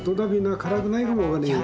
辛くないかも分かんねえな。